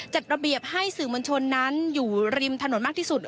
จัดระเบียบให้สื่อมวลชนนั้นอยู่ริมถนนมากที่สุด